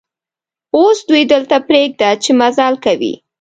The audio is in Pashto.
اوس دوی دلته پرېږده چې مزل کوي.